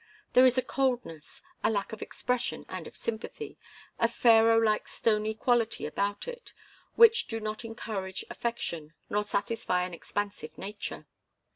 There is a coldness, a lack of expression and of sympathy, a Pharaoh like, stony quality about it which do not encourage affection, nor satisfy an expansive nature.